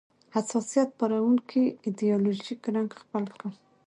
حساسیت پاروونکی ایدیالوژیک رنګ خپل کړ